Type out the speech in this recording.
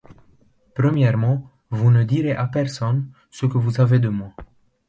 Premièrement, vous ne direz à personne ce que vous savez de moi.